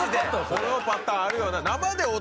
このパターンあるよな。